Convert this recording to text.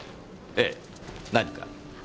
ええ何か？